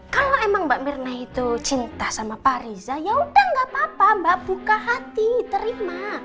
kalo emang mbak mirna itu cinta sama pak riza yaudah ga apa apa mbak buka hati terima